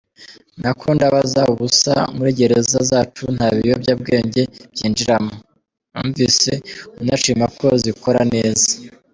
– Nako ndabaza ubusa muri gereza zacu nta biyobyabwenge byinjiramo – numvise unashima ko zikora neza.